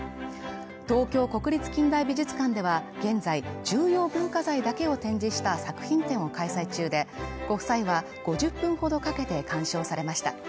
東京国立近代美術館では、現在重要文化財だけを展示した作品展を開催中でご夫妻は５０分ほどかけて鑑賞されました。